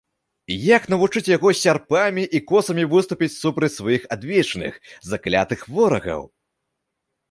Як навучыць яго з сярпамі і косамі выступіць супраць сваіх адвечных, заклятых ворагаў?